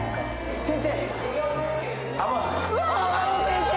先生。